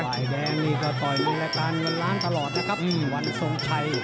แล้วกระจำโดยมันให้